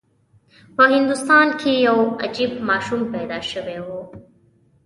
په هندوستان کې یو عجیب ماشوم پیدا شوی و.